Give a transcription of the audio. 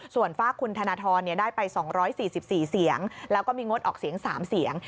ส่วนฝากคุณธนทรได้ไป๒๔๔เสียงแล้วก็มีงดออกเสียง๓เสียง